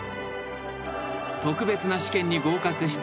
［特別な試験に合格した］